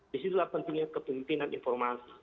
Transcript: disitulah pentingnya kepemimpinan informasi